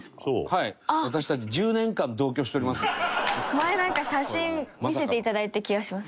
前なんか写真見せていただいた気がします